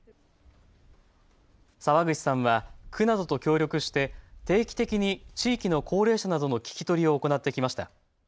澤口さんは区などと協力して定期的に地域の高齢者などの聞き取りを行ってきました。